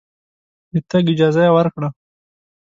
د تګ اجازه یې ورکړه.